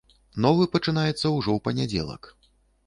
Новы пачынаецца ўжо ў панядзелак.